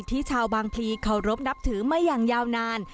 ที่ชาวบางพลีเคารพนับถือมาอย่างยาวนาน